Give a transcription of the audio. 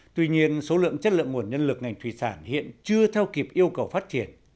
tuy nhiên số lượng chất lượng nguồn nhân lực ngành thủy sản hiện chưa theo kịp yêu cầu phát triển